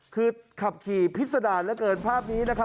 คือขับขี่พิษดานน่ะกินภาพนี้นะคะ